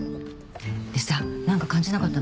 でさなんか感じなかったの？